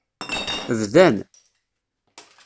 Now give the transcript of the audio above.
Bdan.